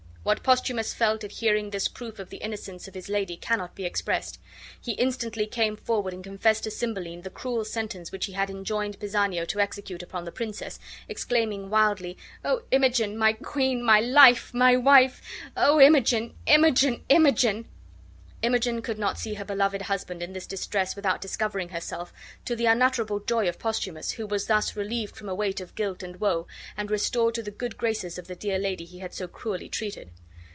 What Posthumus felt at hearing this proof of the innocence of his lady cannot be expressed. He instantly came forward and confessed to Cymbeline the cruel sentence which he had enjoined Pisanio to execute upon the princess, exclaiming, wildly: "O Imogen, my queen, my life, my wife! O Imogen, Imogen, Imogen!" Imogen could not see her beloved husband in this distress without discovering herself, to the unutterable joy of Posthumus, who was thus relieved from a weight of guilt and woe, and restored to the good graces of the dear lady he had so cruelly treated.